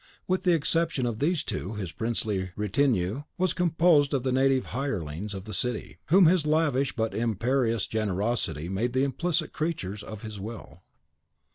With the exception of these two his princely retinue was composed of the native hirelings of the city, whom his lavish but imperious generosity made the implicit creatures of his will.